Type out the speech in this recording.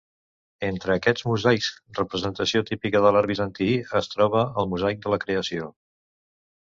Entre aquests mosaics, representació típica de l'art bizantí, es troba el mosaic de la Creació.